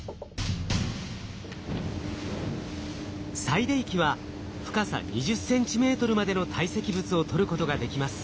採泥器は深さ２０ｃｍまでの堆積物を採ることができます。